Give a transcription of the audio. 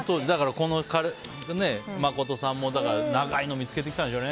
この方も、長いのを見つけてきたんでしょうね。